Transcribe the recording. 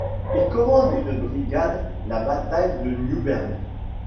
Il commande une brigade la bataille de New Bern.